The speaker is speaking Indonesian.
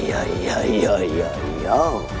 dan melahirkan kandang prabu